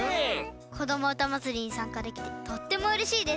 「こどもうたまつり」にさんかできてとってもうれしいです。